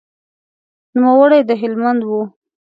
نوموړی د هلمند و.